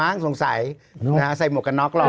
ม้างสงสัยนะฮะใส่หมวกกับน็อกหล่อ